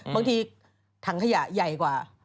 บางทีถังขยะใหญ่กว่า